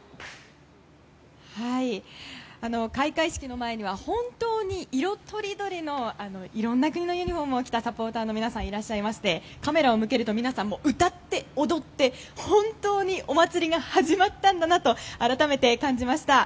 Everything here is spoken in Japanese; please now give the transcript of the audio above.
開会式の前には本当に色とりどりのいろんな国のユニホームを着たサポーターの方がいらっしゃいましてカメラを向けると皆さん、歌って踊って本当にお祭りが始まったんだなと改めて感じました。